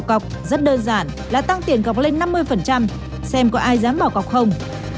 cọc rất đơn giản là tăng tiền cọc lên năm mươi xem có ai dám bỏ cọc không